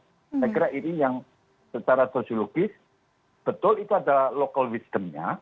saya kira ini yang secara sosiologis betul itu adalah local wisdomnya